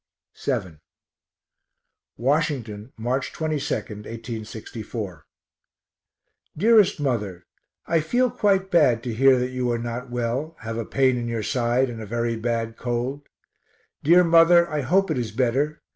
VII Washington, March 22, 1861. DEAREST MOTHER I feel quite bad to hear that you are not well have a pain in your side, and a very bad cold. Dear Mother, I hope it is better.